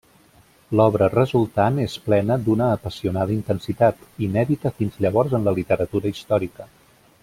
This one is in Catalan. L'obra resultant és plena d'una apassionada intensitat, inèdita fins llavors en la literatura històrica.